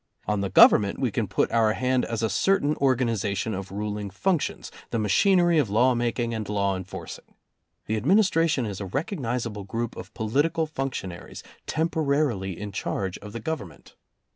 On the Government we can put our hand as a certain organization of ruling functions, the machinery of law making and law enforcing. The Administra tion is a recognizable group of political function aries, temporarily in charge of the government.